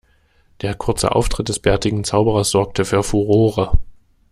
Der kurze Auftritt des bärtigen Zauberers sorgte für Furore.